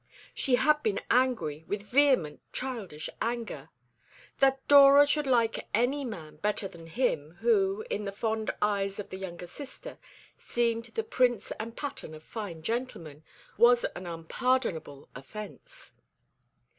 She had been angry, with vehement, childish anger. That Dora should like any man better than him who, in the fond eyes of the younger sister, seemed the prince and pattern of fine gentlemen, was an unpardonable offence.